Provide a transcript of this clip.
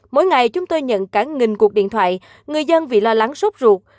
mỗi ngày chúng tôi nhận cả nghìn cuộc điện thoại người dân vì lo lắng sốt ruột